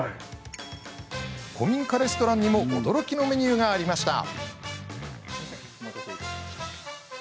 古民家レストランにも驚きのメニューがありました。